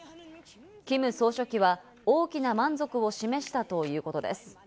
キム総書記は大きな満足を示したということです。